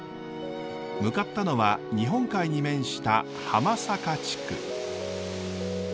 向かったのは日本海に面した浜坂地区。